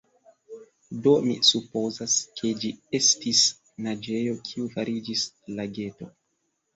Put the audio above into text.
Do, mi supozas, ke ĝi estis naĝejo kiu fariĝis lageto.